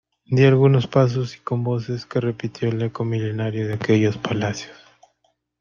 di algunos pasos, y con voces que repitió el eco milenario de aquellos palacios